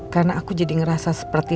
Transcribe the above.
karena aku jadi ngerasa seperti